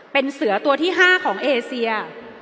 เป็นเสือตัวที่๕ของเอเซีย